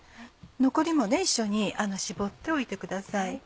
残りも一緒に絞っておいてください。